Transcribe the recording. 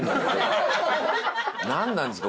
何なんですか？